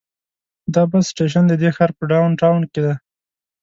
دا بس سټیشن د دې ښار په ډاون ټاون کې دی.